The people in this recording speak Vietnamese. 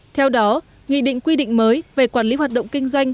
theo đó nghị định quy định mới về quản lý hoạt động kinh doanh